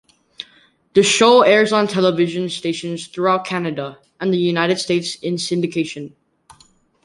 The show airs on television stations throughout Canada and the United States in syndication.